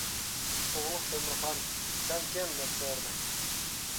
تۇغلۇق تۆمۈرخان : «سەن كىم؟ » دەپ سورىدى.